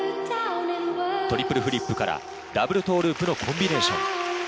トリプルフリップからダブルトーループのコンビネーション。